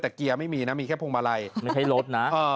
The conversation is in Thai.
แต่เกียร์ไม่มีนะมีแค่พงมาลัยไม่เคยลดน่ะเอ่อ